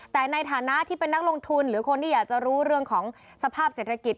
แต่ในฐานะที่เป็นนักลงทุนหรือคนที่อยากจะรู้เรื่องของสภาพเศรษฐกิจ